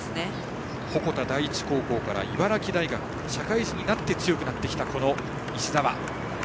鉾田第一高校から茨城大学社会人になって強くなってきた石澤。